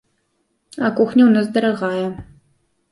А кухня ў нас дарагая.